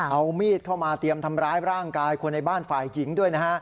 เอามีดเข้ามาเตรียมทำร้ายร่างกายคนในบ้านฝ่ายหญิงด้วยนะฮะ